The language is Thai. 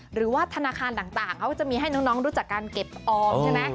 หรือว่าธนาคารต่างเขาจะมีให้น้องรู้จักการเก็บออมใช่ไหม